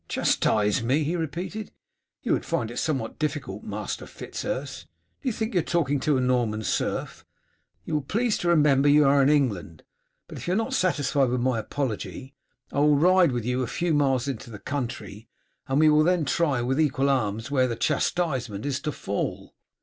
"Chastise me!" he repeated. "You would find it somewhat difficult, Master Fitz Urse. Do you think you are talking to a Norman serf? You will please to remember you are in England; but if you are not satisfied with my apology, I will ride with you a few miles into the country, and we will then try with equal arms where the chastisement is to fall."